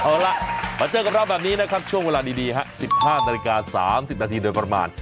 เอาล่ะมาเจอกับเราแบบนี้นะครับช่วงเวลาดีฮะ๑๕นาฬิกา๓๐นาทีโดยประมาณ